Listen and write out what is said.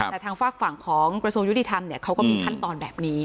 แต่ทางฝั่งของประสูจน์ยุทธิธรรมเขาก็มีขั้นตอนแบบนี้